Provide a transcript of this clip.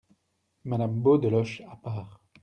Madame Beaudeloche , à part.